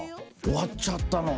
「終わっちゃったの？」